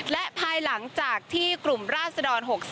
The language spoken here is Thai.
และภายหลังจากที่กลุ่มราศดร๖๓